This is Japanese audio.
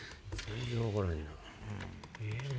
全然分からへんな。